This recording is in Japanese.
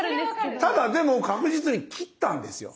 ただでも確実に切ったんですよ！